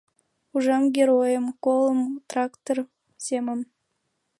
Ужам Геройым, колын трактыр семым.